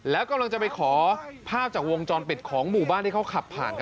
แล้วกำลังจะไปขอภาพจากวงจรปิดของหมู่บ้านที่เขาขับผ่านกัน